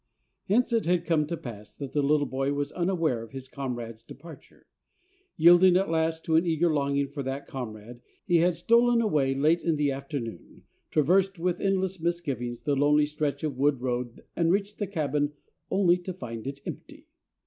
Hence it had come to pass that the little boy was unaware of his comrade's departure. Yielding at last to an eager longing for that comrade, he had stolen away late in the afternoon, traversed with endless misgivings the lonely stretch of wood road and reached the cabin only to find it empty.